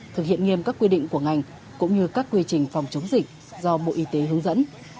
thực hiện nghiêm các quy định của ngành cũng như các quy trình phòng chống dịch do bộ y tế hướng dẫn